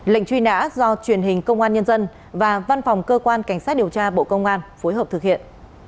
lệnh truy nã do truyền hình công an nhân dân và văn phòng cơ quan cảnh sát điều tra bộ công an phối hợp thực hiện